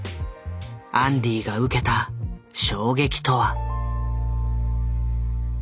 アンディが受けた衝撃とは。